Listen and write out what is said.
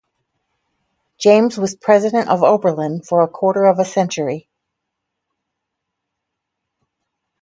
James was president of Oberlin for a quarter of a century.